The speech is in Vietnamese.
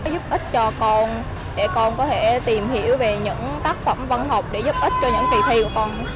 giúp ích cho con để con có thể tìm hiểu về những tác phẩm văn học để giúp ích cho những kỳ thi của con